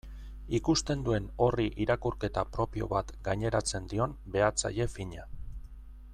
Ikusten duen horri irakurketa propio bat gaineratzen dion behatzaile fina.